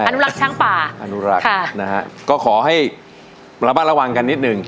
อนุรักษ์ช้างป่าอนุรักษ์ค่ะนะฮะก็ขอให้ระมัดระวังกันนิดหนึ่ง